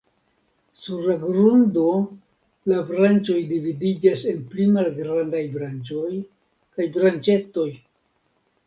Sur la grundo, la branĉoj dividiĝas en pli malgrandaj branĉoj kaj branĉetoj.